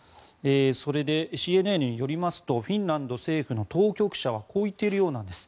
それでＣＮＮによりますとフィンランド政府の当局者はこう言っているようなんです。